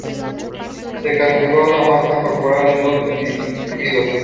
Se calculó la masa corporal en dos individuos.